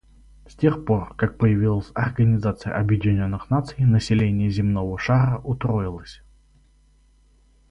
С тех пор, как появилась Организация Объединенных Наций, население земного шара утроилось.